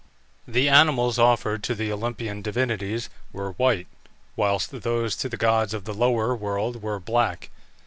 The animals offered to the Olympian divinities were white, whilst those to the gods of the lower world were black.